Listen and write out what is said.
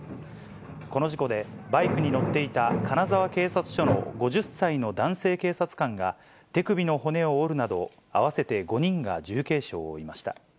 この事故でバイクに乗っていた金沢警察署の５０歳の男性警察官が、手首の骨を折るなど、合わせて５人が重軽傷を負いました。